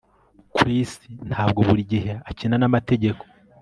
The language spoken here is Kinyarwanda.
Chris ntabwo buri gihe akina namategeko